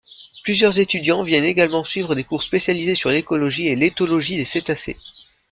Plusieurs étudiants viennent également suivre des cours spécialisés sur l’écologie et l’éthologie des cétacés.